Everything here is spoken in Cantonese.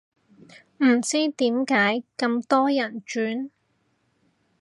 唔知點解咁多人轉